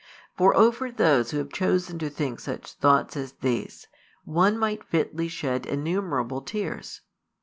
For over those who have chosen to think such thoughts as these, one might fitly shed innumerable tears.